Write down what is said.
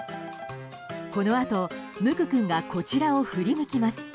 このあとむく君がこちらを振り向きます。